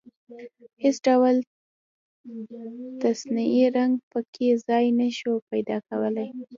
هېڅ ډول تصنعي رنګ په کې ځای نشي پيدا کولای.